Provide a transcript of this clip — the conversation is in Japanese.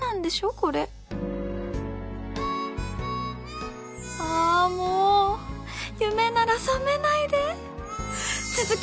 これああもう夢なら覚めないで続け